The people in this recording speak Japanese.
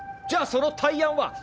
じゃあその対案は？